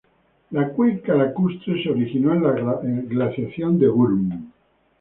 La cuenca lacustre se originó en la glaciación de Würm.